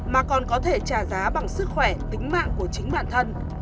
mà còn có thể trả giá bằng sức khỏe tính mạng của chính bản thân